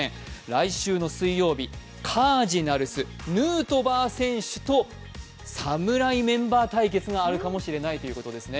来週の水曜日、カージナルスヌートバー選手と侍メンバー対決があるかもしれないということですね。